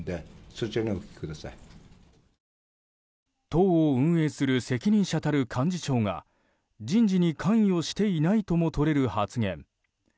党を運営する責任たる幹事長が人事に関与していないともとれる発言。